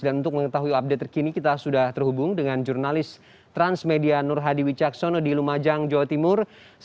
dan untuk mengetahui update terkini kita sudah terhubung dengan jurnalis transmedia nur hadi wicaksono di lumajang jawa timur